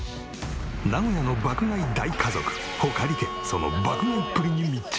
名古屋の爆買い大家族穂苅家その爆買いっぷりに密着！